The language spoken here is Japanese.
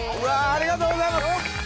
ありがとうございます！